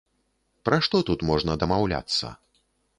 Пра што тут можна дамаўляцца?